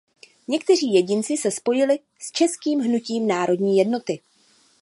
Někteří jedinci se spojili s Českým hnutím národní jednoty.